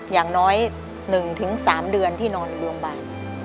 อย่างน้อย๑๓เดือนที่นอนโรงพยาบาล